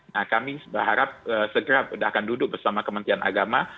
nah kami berharap segera akan duduk bersama kementerian agama